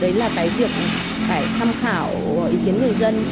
đấy là cái việc phải tham khảo ý kiến người dân